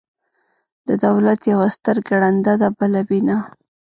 د دولت یوه سترګه ړنده ده، بله بینا.